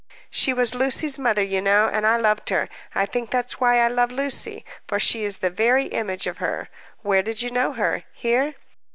"She was Lucy's mother, you know, and I loved her. I think that's why I love Lucy, for she is the very image of her. Where did you know her? Here?"